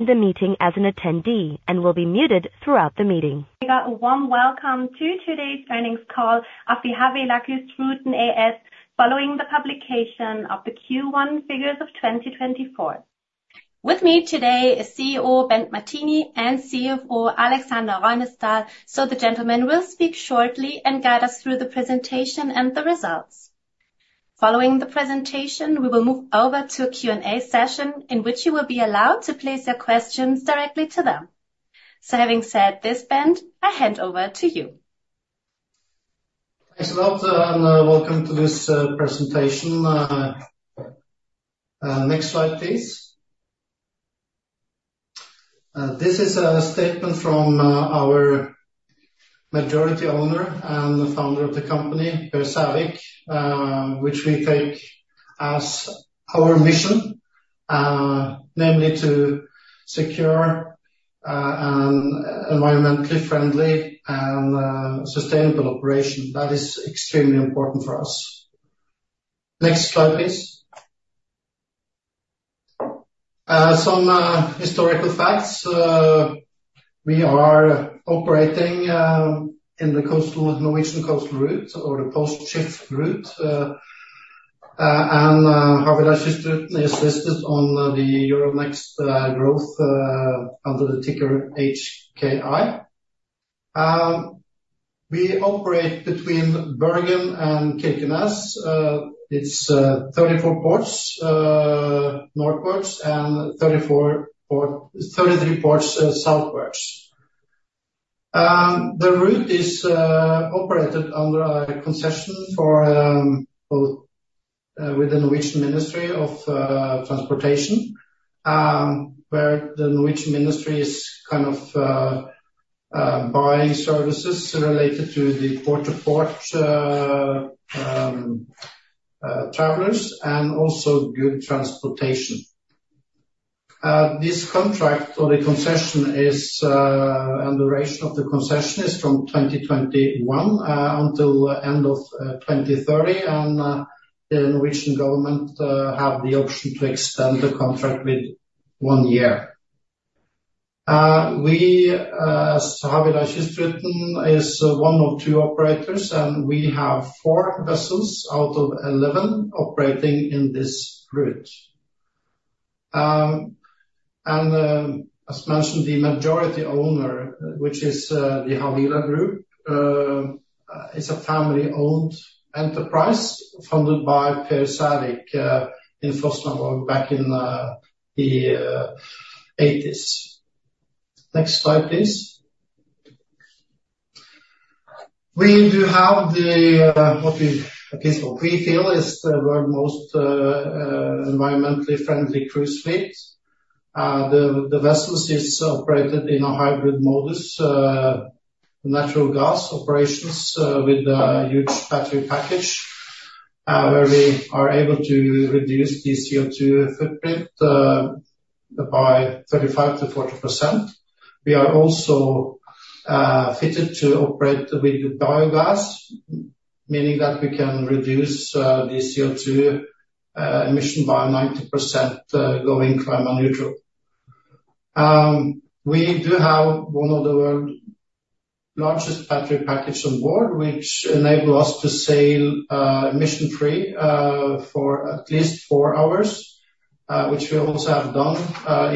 ...The meeting as an attendee, and will be muted throughout the meeting. A warm welcome to today's earnings call of the Havila Kystruten AS, following the publication of the Q1 figures of 2024. With me today is CEO, Bent Martini, and CFO, Aleksander Røynesdal, so the gentlemen will speak shortly and guide us through the presentation and the results. Following the presentation, we will move over to a Q&A session, in which you will be allowed to place your questions directly to them. Having said this, Bent, I hand over to you. Thanks a lot, and welcome to this presentation. Next slide, please. This is a statement from our majority owner and the founder of the company, Per Sævik, which we take as our mission, namely, to secure an environmentally friendly and sustainable operation. That is extremely important for us. Next slide, please. Some historical facts. We are operating in the coastal, Norwegian Coastal Route or the Post ship route, and Havila Kystruten is listed on the Euronext Growth under the ticker HKI. We operate between Bergen and Kirkenes. It's 34 ports northwards and 34 port-- 33 ports southwards. The route is operated under a concession with the Norwegian Ministry of Transport, where the Norwegian Ministry is kind of buying services related to the port-to-port travelers, and also goods transportation. This contract or the concession and the duration of the concession is from 2021 until end of 2030, and the Norwegian government have the option to extend the contract with one year. We, as Havila Kystruten, is one of two operators, and we have four vessels out of 11 operating in this route. As mentioned, the majority owner, which is the Havila Group, is a family-owned enterprise founded by Per Sævik in Fosnavåg back in the 1980s. Next slide, please. We do have, at least what we feel is, the world's most environmentally friendly cruise fleet. The vessels is operated in a hybrid mode, natural gas operations, with a huge battery package where we are able to reduce the CO2 footprint by 35%-40%. We are also fitted to operate with biogas, meaning that we can reduce the CO2 emission by 90%, going climate neutral. We do have one of the world's largest battery package on board, which enable us to sail emission-free for at least 4 hours, which we also have done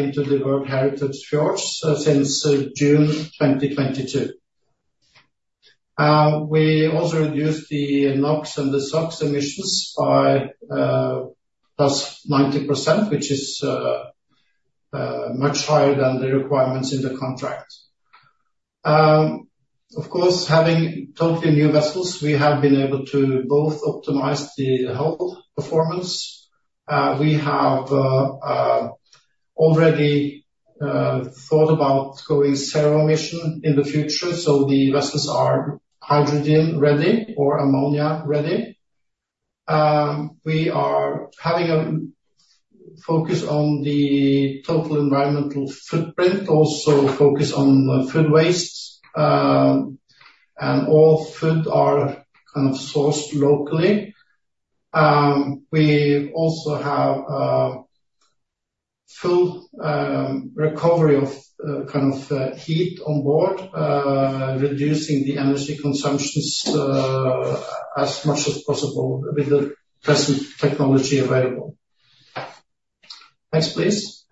into the World Heritage Fjords since June 2022. We also reduced the NOx and the SOx emissions by +90%, which is much higher than the requirements in the contract. Of course, having totally new vessels, we have been able to both optimize the hull performance. We have already thought about going zero emission in the future, so the vessels are hydrogen-ready or ammonia-ready. We are having a focus on the total environmental footprint, also focus on the food waste, and all food are kind of sourced locally. We also have full recovery of kind of heat on board, reducing the energy consumptions as much as possible with the present technology available. Next, please.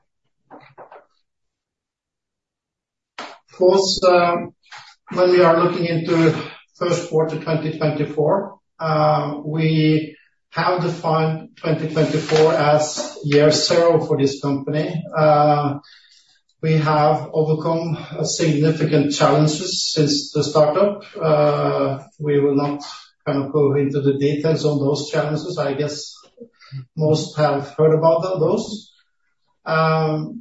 Of course, when we are looking into first quarter 2024, we have defined 2024 as year zero for this company. We have overcome significant challenges since the startup. We will not, kind of, go into the details on those challenges. I guess most have heard about those. But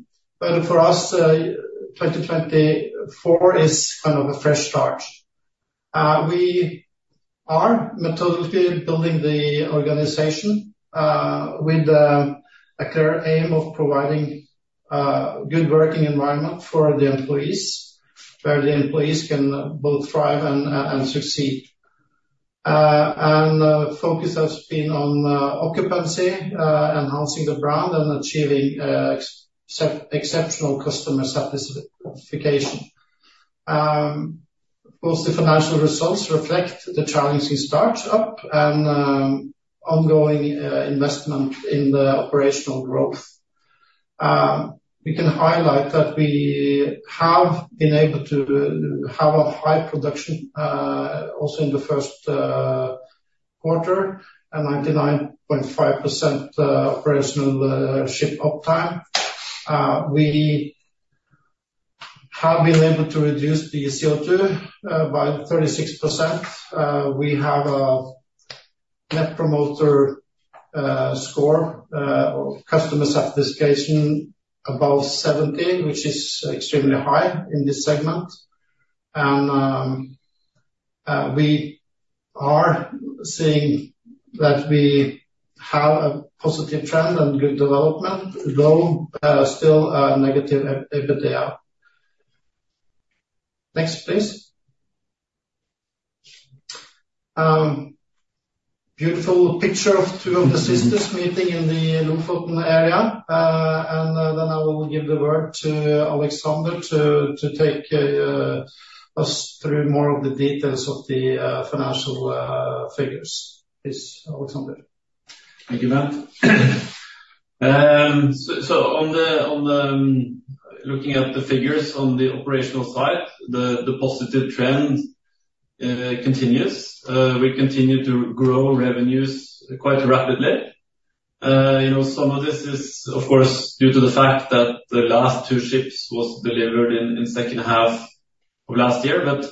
for us, 2024 is kind of a fresh start. We are methodically building the organization with a clear aim of providing good working environment for the employees, where the employees can both thrive and succeed. And the focus has been on occupancy, enhancing the brand, and achieving exceptional customer satisfaction. Of course, the financial results reflect the challenging startup and ongoing investment in the operational growth. We can highlight that we have been able to have a high production also in the first quarter, and 99.5% operational ship uptime. We have been able to reduce the CO2 by 36%. We have a Net Promoter Score or customer satisfaction above 70, which is extremely high in this segment. And we are seeing that we have a positive trend and good development, though still negative EBITDA. Next, please. Beautiful picture of two of the sisters meeting in the Lofoten area. And then I will give the word to Aleksander to take us through more of the details of the financial figures. Yes, Aleksander. Thank you, Bent. So, looking at the figures on the operational side, the positive trend continues. We continue to grow revenues quite rapidly. You know, some of this is, of course, due to the fact that the last two ships was delivered in second half of last year, but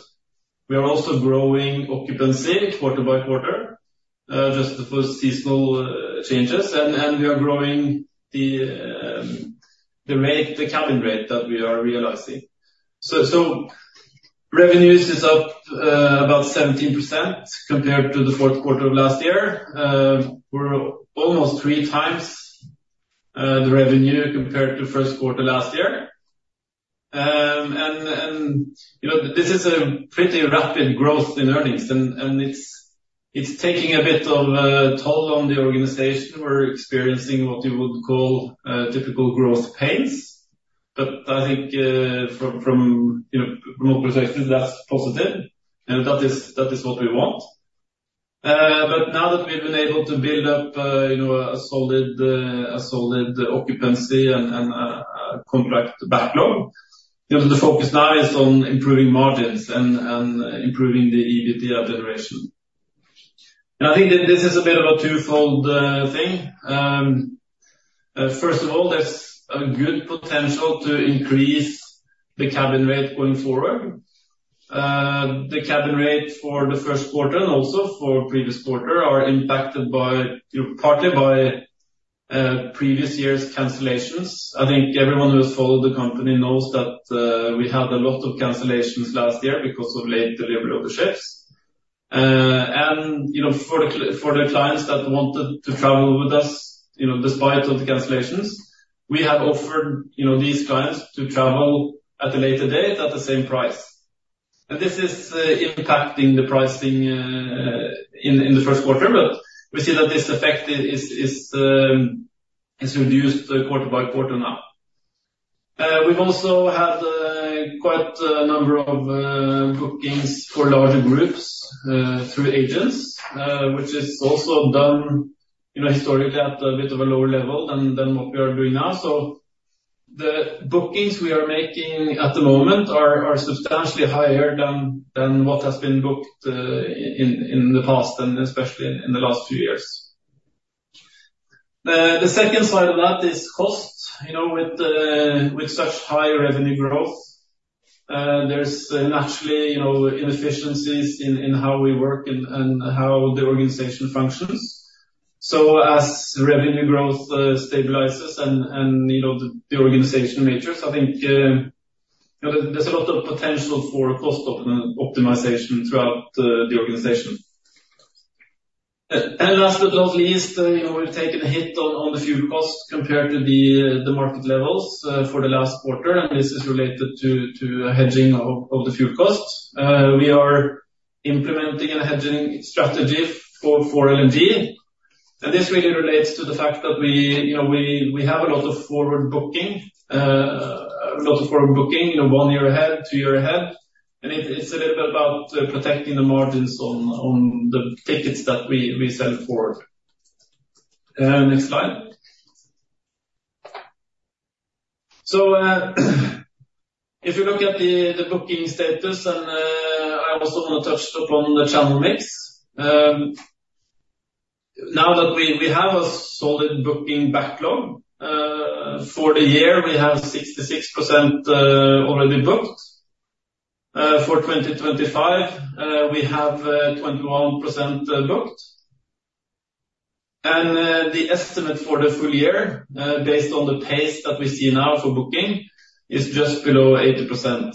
we are also growing occupancy quarter by quarter, just the first seasonal changes. And we are growing the rate, the cabin rate that we are realizing. So, revenues is up about 17% compared to the fourth quarter of last year. We're almost three times the revenue compared to first quarter last year. And you know, this is a pretty rapid growth in earnings, and it's taking a bit of a toll on the organization. We're experiencing what you would call typical growth pains, but I think from you know from our perspective that's positive, and that is what we want. But now that we've been able to build up you know a solid occupancy and contract backlog you know the focus now is on improving margins and improving the EBITDA generation. And I think that this is a bit of a twofold thing. First of all, there's a good potential to increase the cabin rate going forward. The cabin rate for the first quarter and also for previous quarter are impacted by you know partly by previous years' cancellations. I think everyone who has followed the company knows that we had a lot of cancellations last year because of late delivery of the ships. You know, for the clients that wanted to travel with us, you know, despite of the cancellations, we have offered, you know, these clients to travel at a later date at the same price. And this is impacting the pricing in the first quarter, but we see that this effect is reduced quarter by quarter now. We've also had quite a number of bookings for larger groups through agents, which is also done, you know, historically at a bit of a lower level than what we are doing now. So the bookings we are making at the moment are substantially higher than what has been booked in the past, and especially in the last few years. The second side of that is cost. You know, with such high revenue growth, there's naturally, you know, inefficiencies in how we work and how the organization functions. So as revenue growth stabilizes and, you know, the organization matures, I think, you know, there's a lot of potential for cost optimization throughout the organization. And last but not least, you know, we've taken a hit on the fuel costs compared to the market levels for the last quarter, and this is related to a hedging of the fuel costs. We are implementing a hedging strategy for LNG, and this really relates to the fact that we, you know, we have a lot of forward booking, a lot of forward booking, you know, one year ahead, two year ahead. It's a little bit about protecting the margins on the tickets that we sell forward. Next slide. So, if you look at the booking status, and I also want to touch upon the channel mix. Now that we have a solid booking backlog for the year, we have 66% already booked. For 2025, we have 21% booked. The estimate for the full year, based on the pace that we see now for booking, is just below 80%.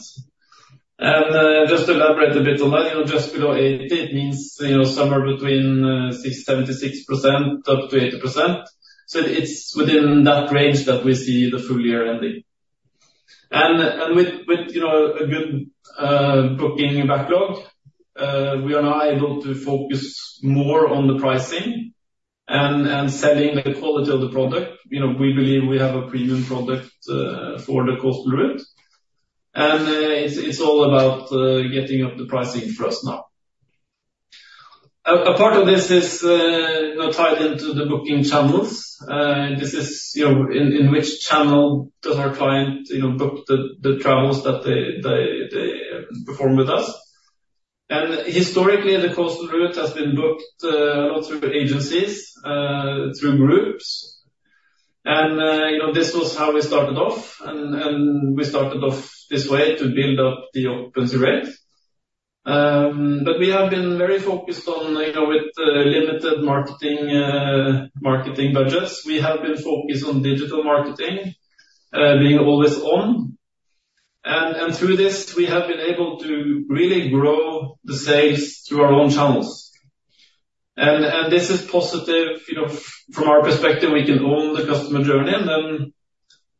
Just to elaborate a bit on that, you know, just below 80%, it means, you know, somewhere between 60%-76% up to 80%. So it's within that range that we see the full year ending. And with, you know, a good booking and backlog, we are now able to focus more on the pricing and selling the quality of the product. You know, we believe we have a premium product for the coastal route. And it's all about getting up the pricing for us now. A part of this is, you know, tied into the booking channels. This is, you know, in which channel does our client, you know, book the travels that they perform with us? And historically, the coastal route has been booked a lot through agencies through groups. And, you know, this was how we started off, and we started off this way to build up the occupancy rate. But we have been very focused on, you know, with, limited marketing, marketing budgets, we have been focused on digital marketing, being always on. And through this, we have been able to really grow the sales through our own channels. And this is positive. You know, from our perspective, we can own the customer journey, and then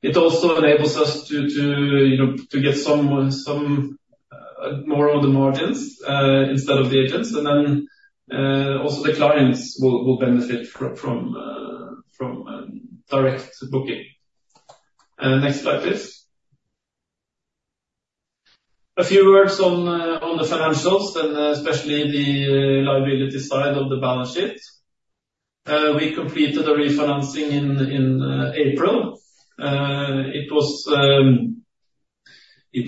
it also enables us to, you know, to get some more of the margins, instead of the agents. And then, also the clients will benefit from direct booking. Next slide, please. A few words on the financials and especially the liability side of the balance sheet. We completed the refinancing in April. It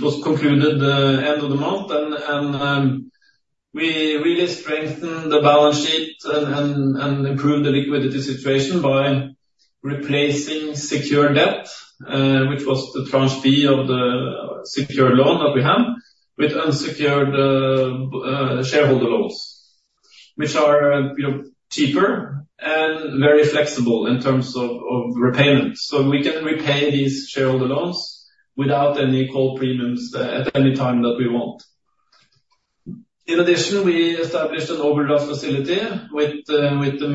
was concluded end of the month, and we really strengthened the balance sheet and improved the liquidity situation by replacing secured debt, which was the Tranche B of the secured loan that we had, with unsecured shareholder loans, which are, you know, cheaper and very flexible in terms of repayments. So we can repay these shareholder loans without any call premiums at any time that we want. In addition, we established an overdraft facility with the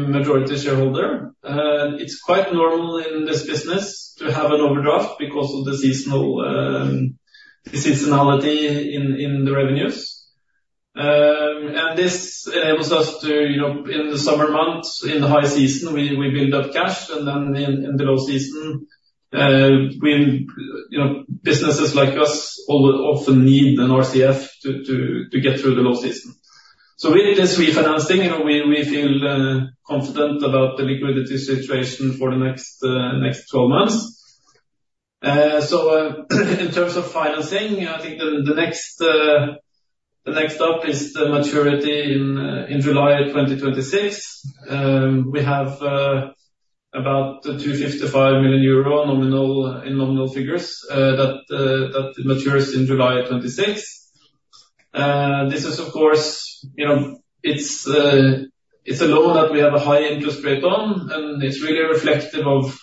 majority shareholder. It's quite normal in this business to have an overdraft because of the seasonal the seasonality in the revenues. And this enables us to, you know, in the summer months, in the high season, we build up cash, and then in the low season, we, you know, businesses like us all often need an RCF to get through the low season. So with this refinancing, you know, we feel confident about the liquidity situation for the next 12 months. So, in terms of financing, I think the next stop is the maturity in July of 2026. We have about 255 million euro nominal, in nominal figures, that matures in July of 2026. This is, of course, you know, it's a loan that we have a high interest rate on, and it's really reflective of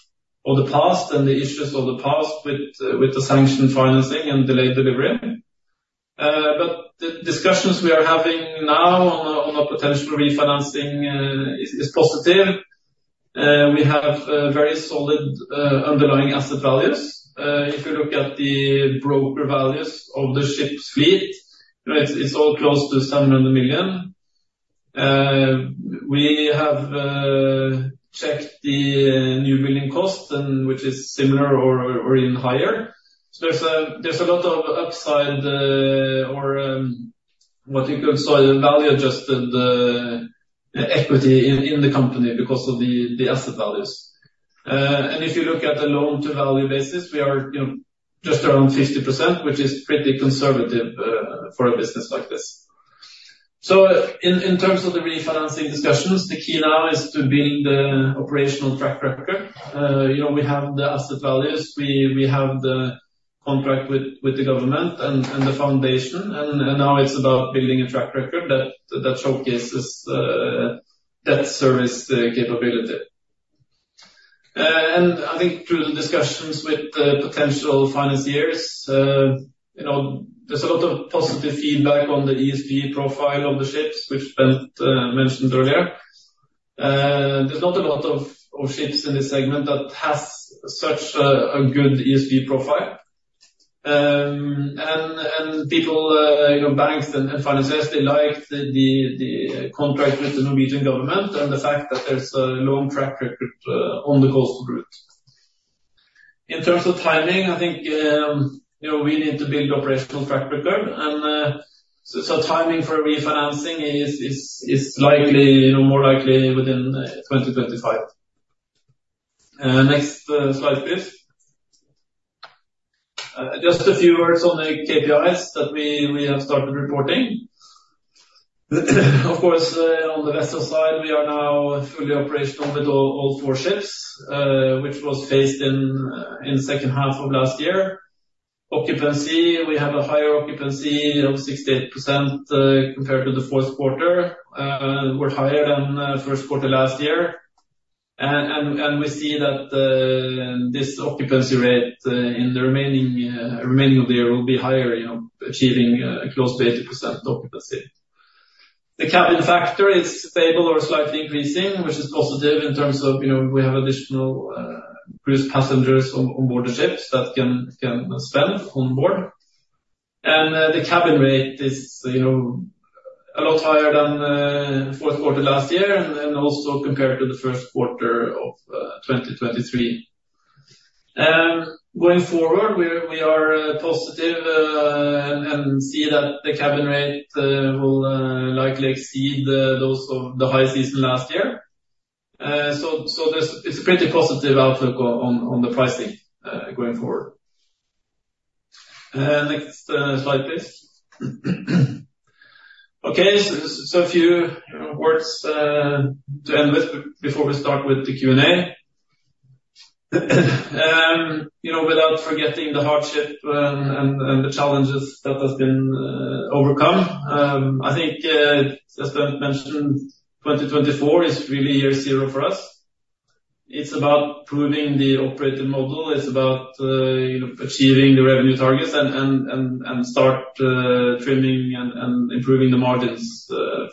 the past and the issues of the past with sanction financing and delayed delivery. But the discussions we are having now on a potential refinancing is positive. We have very solid underlying asset values. If you look at the broker values of the ship's fleet, you know, it's all close to 700 million. We have checked the new building cost, and which is similar or even higher. So there's a lot of upside, or what you could say, value-adjusted equity in the company because of the asset values. And if you look at the loan-to-value basis, we are, you know, just around 50%, which is pretty conservative, for a business like this. So in, in terms of the refinancing discussions, the key now is to build the operational track record. You know, we have the asset values, we, we have the contract with, with the government and, and the foundation, and, and now it's about building a track record that, that showcases, debt service, capability. And I think through the discussions with the potential financiers, you know, there's a lot of positive feedback on the ESG profile of the ships, which Bent mentioned earlier. There's not a lot of, of ships in this segment that has such a, a good ESG profile. And people, you know, banks and financiers, they like the contract with the Norwegian government and the fact that there's a long track record on the coastal route. In terms of timing, I think, you know, we need to build operational track record, and so timing for refinancing is likely, you know, more likely within 2025. Next slide, please. Just a few words on the KPIs that we have started reporting. Of course, on the vessel side, we are now fully operational with all four ships, which was phased in in second half of last year. Occupancy, we have a higher occupancy of 68% compared to the fourth quarter. We're higher than first quarter last year. We see that this occupancy rate in the remaining of the year will be higher, you know, achieving close to 80% occupancy. The cabin factor is stable or slightly increasing, which is positive in terms of, you know, we have additional cruise passengers on board the ships that can spend on board. And the cabin rate is, you know, a lot higher than fourth quarter last year and also compared to the first quarter of 2023. Going forward, we are positive and see that the cabin rate will likely exceed those of the high season last year. So, there's. It's a pretty positive outlook on the pricing going forward. Next slide, please. Okay, so a few words to end with before we start with the Q&A. You know, without forgetting the hardship and the challenges that has been overcome, I think, as Bent mentioned, 2024 is really year zero for us. It's about proving the operating model. It's about, you know, achieving the revenue targets and start trimming and improving the margins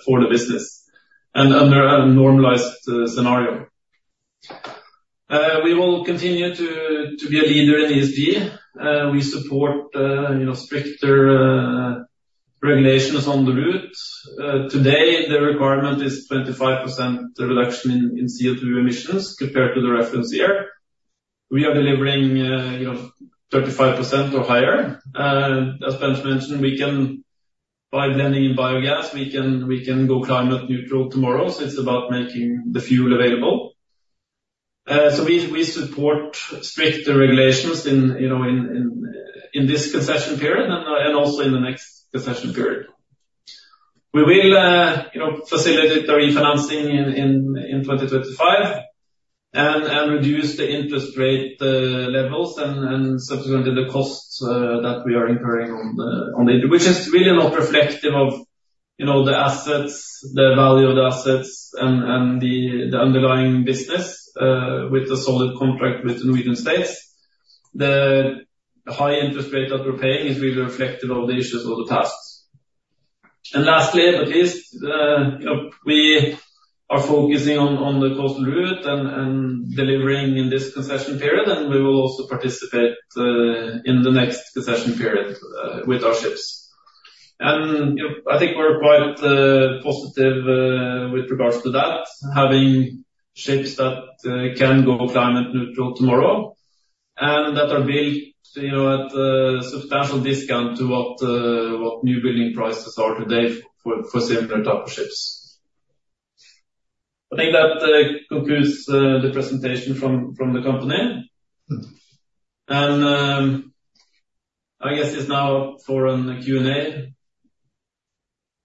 for the business, and under a normalized scenario. We will continue to be a leader in ESG. We support, you know, stricter regulations on the route. Today, the requirement is 25% reduction in CO2 emissions compared to the reference year. We are delivering, you know, 35% or higher. As Bent mentioned, we can, by blending in biogas, go climate neutral tomorrow, so it's about making the fuel available. So we support stricter regulations in, you know, this concession period and also in the next concession period. We will, you know, facilitate the refinancing in 2025 and reduce the interest rate levels and subsequently the costs that we are incurring on the... Which is really not reflective of, you know, the assets, the value of the assets and the underlying business with the solid contract with Norwegian State. The high interest rate that we're paying is really reflective of the issues of the past. And lastly, but least, you know, we are focusing on the coastal route and delivering in this concession period, and we will also participate in the next concession period with our ships. And, you know, I think we're quite positive with regards to that, having ships that can go climate neutral tomorrow and that are built, you know, at a substantial discount to what new building prices are today for similar type of ships. I think that concludes the presentation from the company. And, I guess it's now for a Q&A.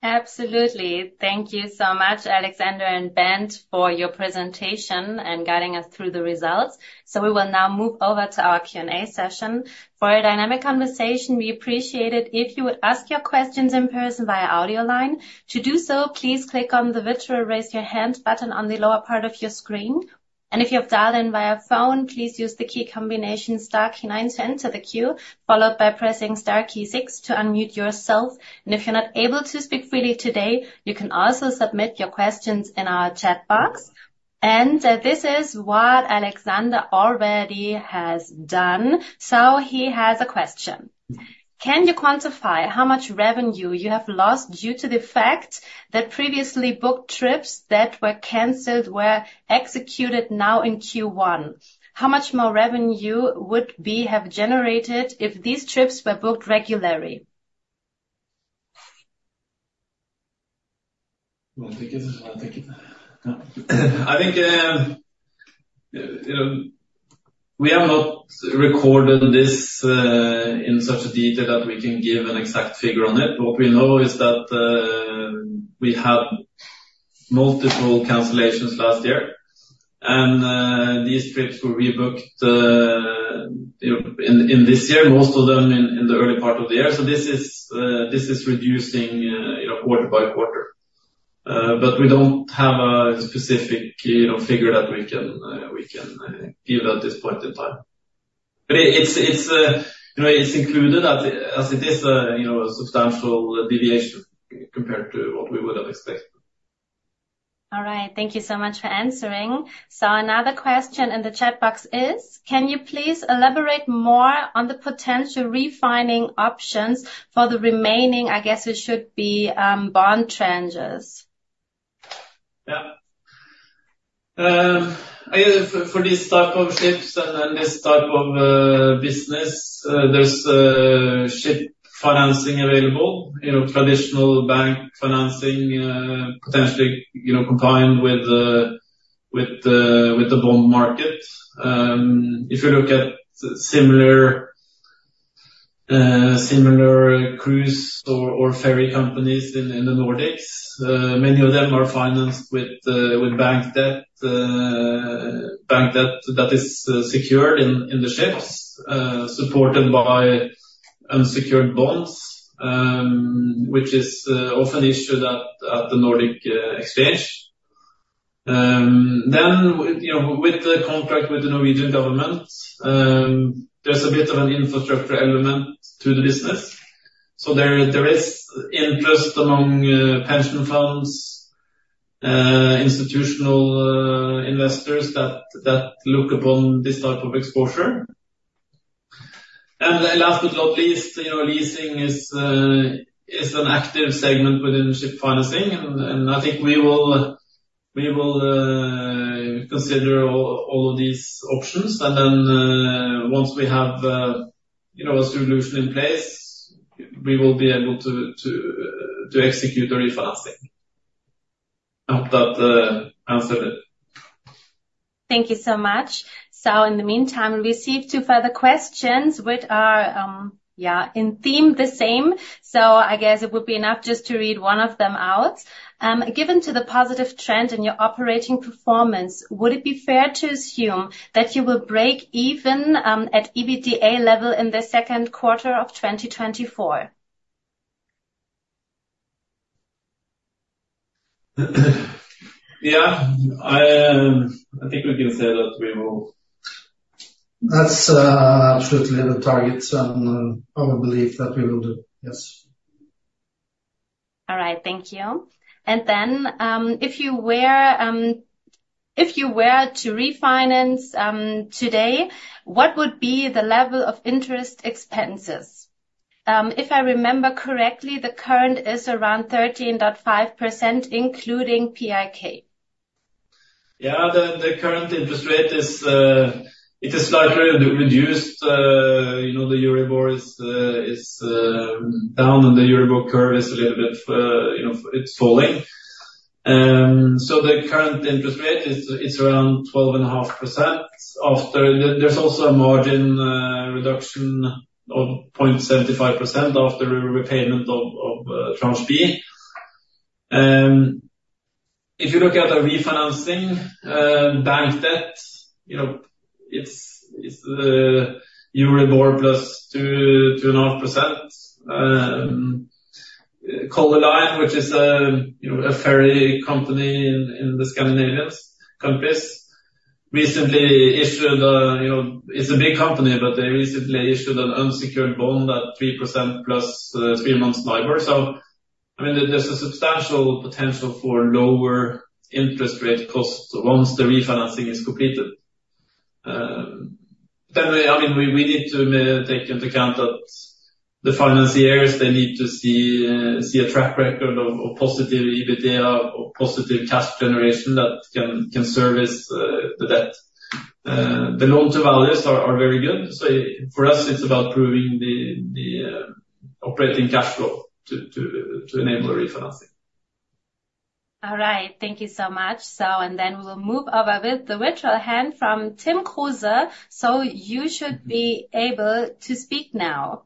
Absolutely. Thank you so much, Alexander and Bent, for your presentation and guiding us through the results. So we will now move over to our Q&A session. For a dynamic conversation, we appreciate it if you would ask your questions in person via audio line. To do so, please click on the virtual Raise Your Hand button on the lower part of your screen, and if you have dialed in via phone, please use the key combination star key nine to enter the queue, followed by pressing star key six to unmute yourself. If you're not able to speak freely today, you can also submit your questions in our chat box. This is what Alexander already has done, so he has a question: Can you quantify how much revenue you have lost due to the fact that previously booked trips that were canceled were executed now in Q1? How much more revenue would we have generated if these trips were booked regularly? You want to take it or should I take it? Yeah. I think, you know, we have not recorded this in such a detail that we can give an exact figure on it. What we know is that we had multiple cancellations last year, and these trips were rebooked, you know, in, in this year, most of them in, in the early part of the year. So this is, this is reducing, you know, quarter by quarter. But we don't have a specific, you know, figure that we can, we can give at this point in time. But it, it's, it's, you know, it's included as, as it is, you know, a substantial deviation compared to what we would have expected. All right. Thank you so much for answering. So another question in the chat box is: Can you please elaborate more on the potential refining options for the remaining, I guess it should be, bond tranches? Yeah. I guess for these type of ships and this type of business, there's ship financing available, you know, traditional bank financing, potentially, you know, combined with the bond market. If you look at similar cruise or ferry companies in the Nordics, many of them are financed with bank debt, bank debt that is secured in the ships, supported by unsecured bonds, which is often issued at the Nordic Exchange. Then, you know, with the contract with the Norwegian government, there's a bit of an infrastructure element to the business. So there is interest among pension funds, institutional investors that look upon this type of exposure. And then last but not least, you know, leasing is an active segment within ship financing, and I think we will consider all of these options. And then, once we have, you know, a solution in place, we will be able to execute a refinancing. I hope that answered it. Thank you so much. So in the meantime, we received two further questions which are, yeah, in the same theme. So I guess it would be enough just to read one of them out. Given the positive trend in your operating performance, would it be fair to assume that you will break even at EBITDA level in the second quarter of 2024? Yeah, I, I think we can say that we will. That's absolutely the target and our belief that we will do, yes. All right. Thank you. Then, if you were to refinance today, what would be the level of interest expenses? If I remember correctly, the current is around 13.5%, including PIK. Yeah, the current interest rate is slightly reduced. You know, the Euribor is down, and the Euribor curve is a little bit, you know, it's falling. So the current interest rate is around 12.5%. After the-- there's also a margin reduction of 0.75% after the repayment of Tranche B. If you look at the refinancing bank debt, you know, it's Euribor plus 2-2.5%. Color Line, which is, you know, a ferry company in the Scandinavian countries, recently issued... It's a big company, but they recently issued an unsecured bond at 3% plus three months LIBOR. So, I mean, there's a substantial potential for lower interest rate costs once the refinancing is completed. I mean, we need to take into account that the financiers, they need to see a track record of positive EBITDA or positive cash generation that can service the debt. The loan to values are very good. For us, it's about proving the operating cash flow to enable the refinancing. All right. Thank you so much. And then we will move over with the virtual hand from Tim Kruse. You should be able to speak now.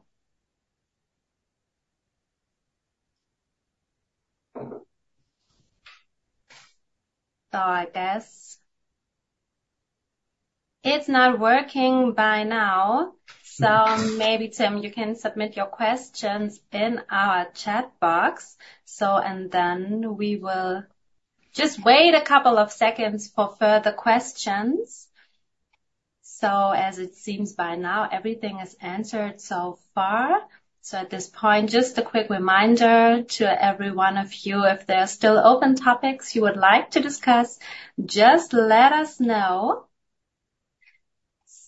I guess it's not working by now, so maybe, Tim, you can submit your questions in our chat box, and then we will just wait a couple of seconds for further questions. As it seems by now, everything is answered so far. At this point, just a quick reminder to everyone, if there are still open topics you would like to discuss, just let us know.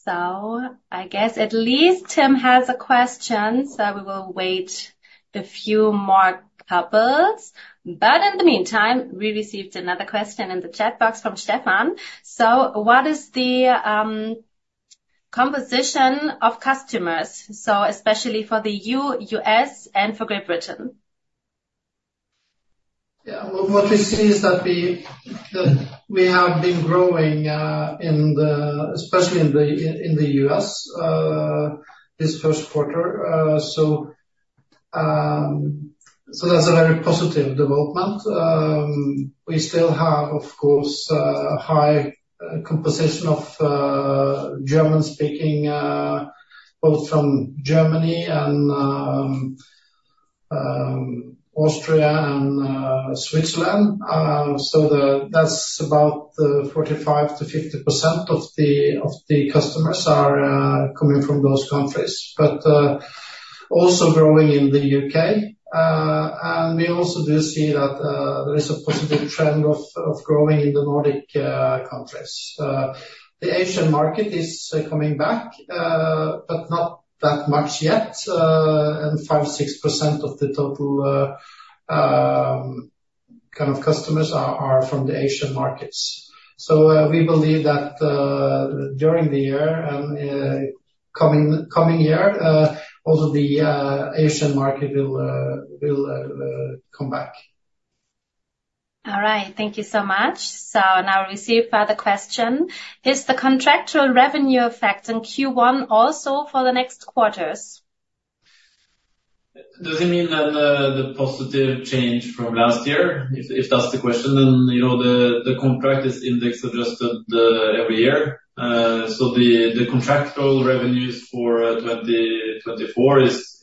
I guess at least Tim has a question, so we will wait a few more couples. But in the meantime, we received another question in the chat box from Stefan. What is the composition of customers, especially for the U.S. and for Great Britain? Yeah. What we see is that we have been growing, especially in the U.S. this first quarter. So that's a very positive development. We still have, of course, a high composition of German-speaking both from Germany and Austria and Switzerland. So that's about 45%-50% of the customers are coming from those countries, but also growing in the U.K. And we also do see that there is a positive trend of growing in the Nordic countries. The Asian market is coming back but not that much yet. And 5-6% of the total kind of customers are from the Asian markets. We believe that during the year and coming year, also the Asian market will come back. All right. Thank you so much. So now we receive further question: Is the contractual revenue effect in Q1 also for the next quarters? Does it mean that, the positive change from last year? If, if that's the question, then, you know, the, the contract is index adjusted, every year. So the, the contractual revenues for 2024 is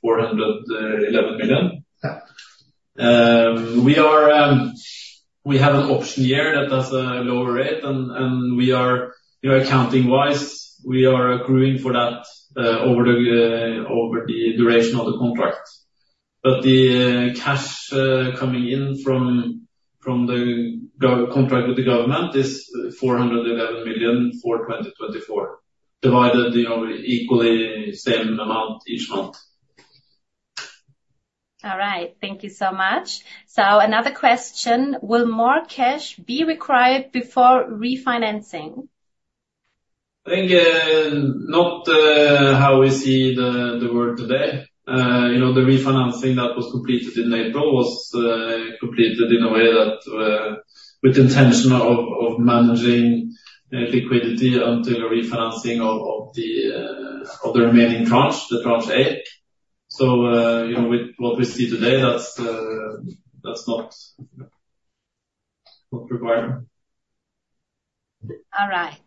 411 million. Yeah. We have an option here that has a lower rate, and we are, you know, accounting-wise, we are accruing for that over the duration of the contract. But the cash coming in from the contract with the government is 411 million for 2024, divided, you know, equally, same amount each month. All right. Thank you so much. So another question: Will more cash be required before refinancing? I think not how we see the world today. You know, the refinancing that was completed in April was completed in a way that with the intention of managing liquidity until the refinancing of the remaining tranche, the Tranche A. So, you know, with what we see today, that's not required. All right.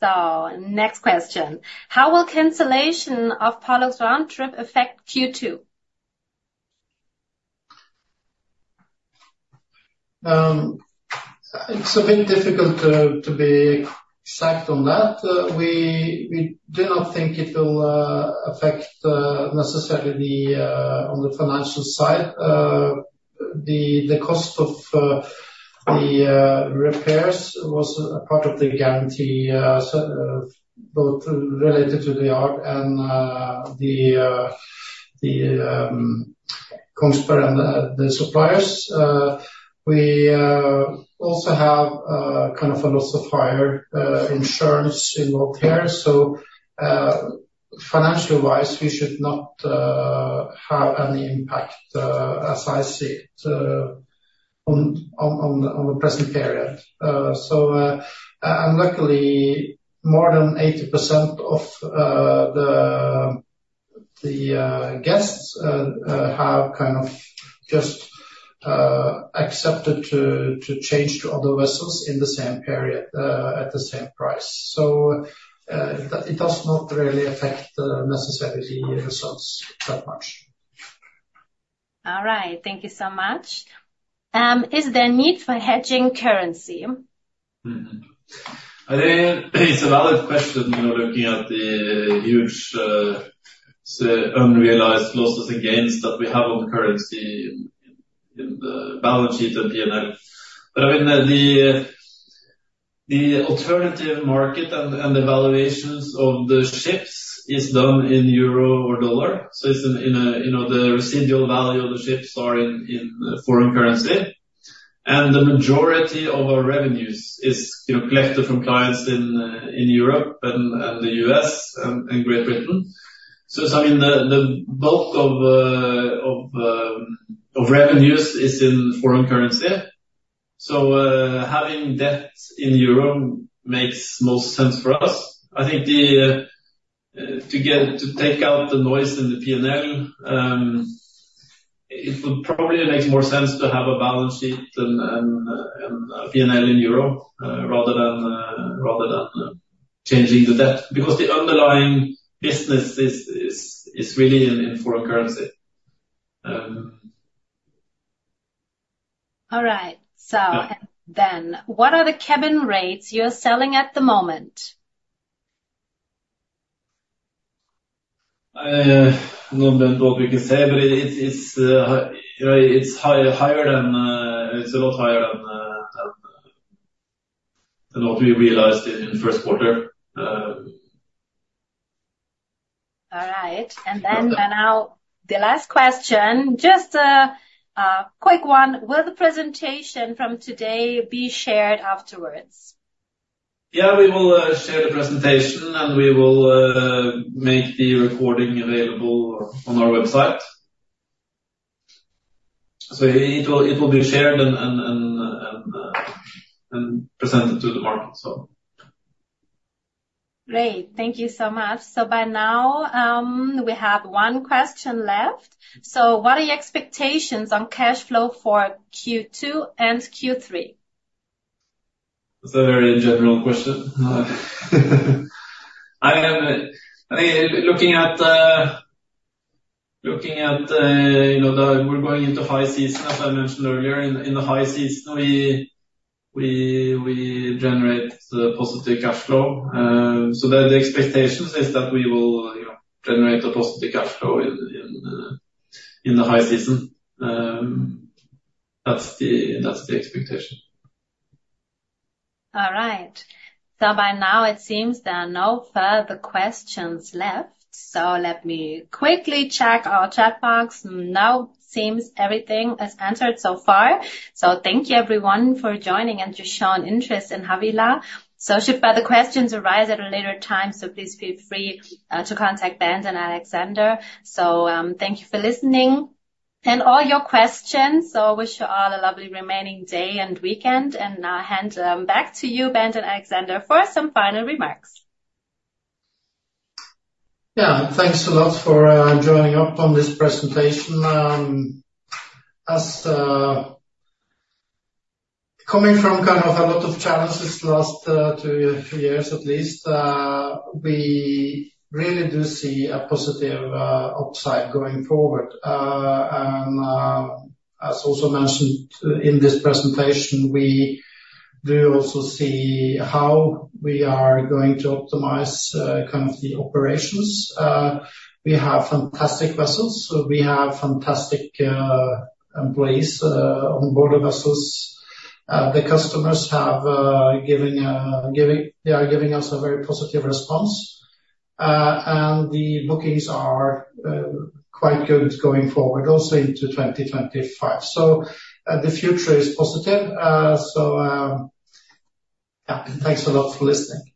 So next question: How will cancellation of Pollux round trip affect Q2? It's a bit difficult to be exact on that. We do not think it will affect necessarily on the financial side. The cost of the repairs was a part of the guarantee, so both related to the yard and the Kongsberg and the suppliers. We also have kind of a loss of hire insurance involved here. So, financially wise, we should not have any impact, as I see it, on the present period. So, and luckily, more than 80% of the guests have kind of just accepted to change to other vessels in the same period, at the same price. So, it does not really affect necessarily the results that much. All right. Thank you so much. Is there a need for hedging currency? I think it's a valid question when you're looking at the huge, say, unrealized losses and gains that we have on currency in, in the balance sheet and P&L. But I mean, the, the alternative market and, and the valuations of the ships is done in euro or dollar, so it's in, in a, you know, the residual value of the ships are in, in foreign currency. And the majority of our revenues is, you know, collected from clients in, in Europe and, and the U.S. and, and Great Britain. So, I mean, the, the bulk of, of, of revenues is in foreign currency. So, having debts in Europe makes most sense for us. I think the, to get... To take out the noise in the P&L, it would probably make more sense to have a balance sheet and a P&L in euro, rather than changing the debt, because the underlying business is really in foreign currency. All right. So then, what are the cabin rates you are selling at the moment? I don't know what we can say, but it's, you know, it's a lot higher than what we realized in the first quarter. All right. And then, and now the last question, just a quick one: Will the presentation from today be shared afterwards? Yeah, we will share the presentation, and we will make the recording available on our website. So it will be shared and presented to the market, so. Great. Thank you so much. So by now, we have one question left. So what are your expectations on cash flow for Q2 and Q3? That's a very general question. I mean, looking at, you know, the... We're going into high season, as I mentioned earlier. In the high season, we generate positive cash flow. So the expectations is that we will, you know, generate a positive cash flow in the high season. That's the expectation. All right. So by now, it seems there are no further questions left. So let me quickly check our chat box. Now, seems everything is answered so far. So thank you, everyone, for joining and your shown interest in Havila. So should further questions arise at a later time, so please feel free to contact Bent and Alexander. So thank you for listening and all your questions. So I wish you all a lovely remaining day and weekend, and I'll hand back to you, Bent and Alexander, for some final remarks. Yeah. Thanks a lot for joining up on this presentation. As coming from kind of a lot of challenges last 2, 3 years at least, we really do see a positive upside going forward. And as also mentioned in this presentation, we do also see how we are going to optimize kind of the operations. We have fantastic vessels. We have fantastic employees on board the vessels. The customers have giving giving-- they are giving us a very positive response, and the bookings are quite good going forward, also into 2025. So the future is positive. So yeah, thanks a lot for listening.